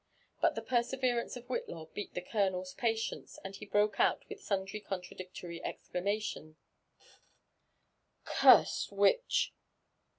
But the perseverance of Whitlaw beat the colonel's patience, and he broke out with sundry contradictory exclamations. *' Cursed witch